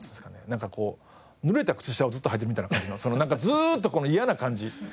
なんかぬれた靴下をずっとはいてるみたいな感じのずっとこの嫌な感じ。